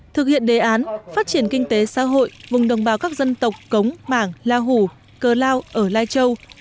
thực hiện đề án phát triển kinh tế xã hội vùng đồng bào các dân tộc cống mảng la hủ cơ lao ở lai châu